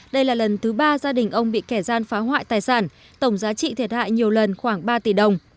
đây là lần thứ ba gia đình ông bị kẻ gian phá hoại tài sản tổng giá trị thiệt hại nhiều lần khoảng ba tỷ đồng